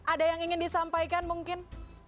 ada yang ingin disampaikan mungkin